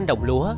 những đồng lúa